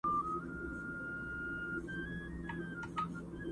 پر شنو بانډو به ګرځېدله مست بېخوده زلمي!!